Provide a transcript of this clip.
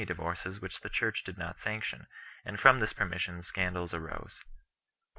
335 divorces which the Church did not sanction 1 , and from this permission scandals arose.